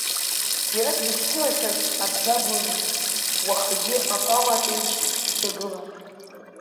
Иара дзышьцылахьаз абзагәырҩа, уахагьы аҟама аҿеиԥш иҿагылан.